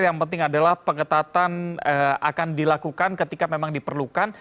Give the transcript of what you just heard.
yang penting adalah pengetatan akan dilakukan ketika memang diperlukan